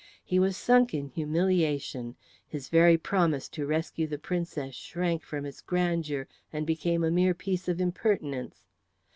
He was sunk in humiliation; his very promise to rescue the Princess shrank from its grandeur and became a mere piece of impertinence.